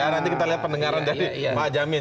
nanti kita lihat pendengaran dari pak jamin